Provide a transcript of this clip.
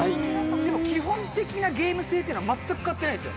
でも基本的なゲーム性っていうのは全く変わってないんですよ。